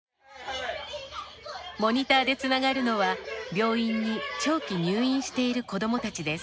モニターでつながるのは病院に長期入院している子どもたちです。